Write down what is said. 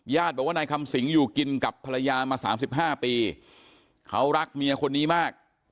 บอกว่านายคำสิงอยู่กินกับภรรยามาสามสิบห้าปีเขารักเมียคนนี้มาก